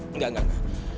enggak enggak enggak